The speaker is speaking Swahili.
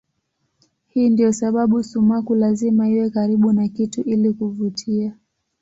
Hii ndiyo sababu sumaku lazima iwe karibu na kitu ili kuvutia.